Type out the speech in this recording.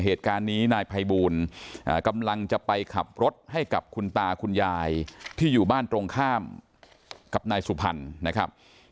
เหตุการณ์นี้นายภัยบูลกำลังจะไปขับรถให้กับคุณตาคุณยายที่อยู่บ้านตรงข้ามกับนายสุพรรณนะครับ